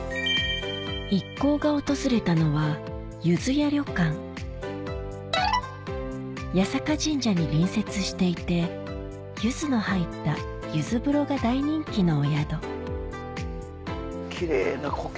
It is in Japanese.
一行が訪れたのは八坂神社に隣接していて柚子の入った柚子風呂が大人気のお宿奇麗なコケ。